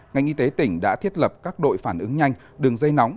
ngành y tế tỉnh đã thiết lập các đội phản ứng nhanh đường dây nóng